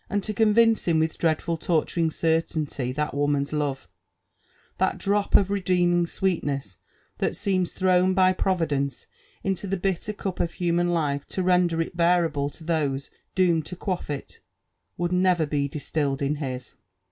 to convince him with dreadful torturing certainty that woman's love, that drop of redeeming sweetness that'seems thrown by Providence into the bitter cup of hhman life to render it bearable to those doomed to quaff it, would never be distilled into his.